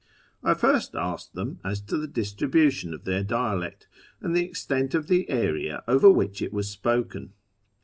I first asked them as to the distribution of their dialect, and the extent of the area over which it was spoken.